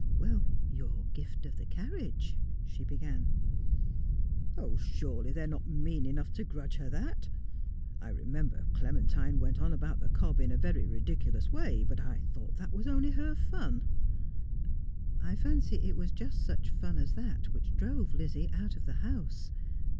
' Your gift of the carriage' she began. ' Surely they are not mean enough to grudge her that. I remember Clementine went on aboiit the cob in a very ridiculous way, but I thought that was only her fun.' ' I fancy it was just such fun as that which drove Lizzie out of the house.